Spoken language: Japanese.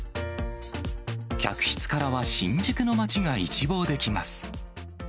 客室からは新宿の街が一望できます。